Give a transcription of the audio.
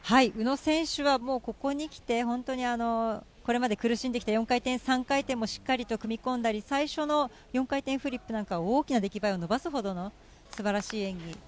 宇野選手は、もうここにきて、本当にこれまで苦しんできた４回転３回転もしっかりと組み込んだり、最初の４回転フリップなんか、大きな出来栄えを伸ばすほどのすばらしい演技。